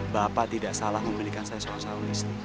bapak tidak salah memberikan saya soal soal ini